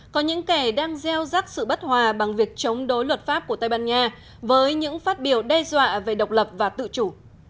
có những kẻ đang gieo rắc sự bất hòa bằng việc chống đối luật pháp của tây ban nha với những phát biểu đe dọa về độc lập và tự chủ